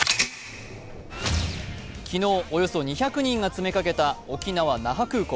昨日およそ２００人が詰めかけた沖縄・那覇空港。